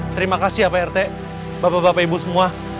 terima kasih ya pak rt bapak bapak ibu semua